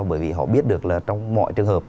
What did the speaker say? bởi vì họ biết được là trong mọi trường hợp